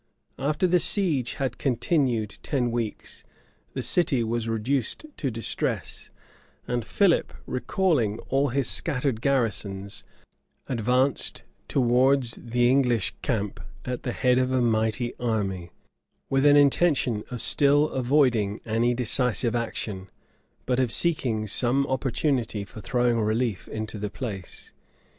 After the siege had continued ten weeks, the city was reduced to distress; and Philip, recalling all his scattered garrisons, advanced towards the English camp at the head of a mighty army, with an intention of still avoiding any decisive action, but of seeking some opportunity for throwing relief into the place.